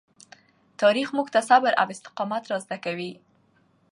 تاریخ موږ ته صبر او استقامت را زده کوي.